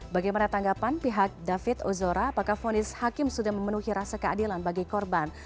bagaimana tanggapan pihak david ozora apakah vonis hakim sudah memenuhi rasa keadilan bagi korban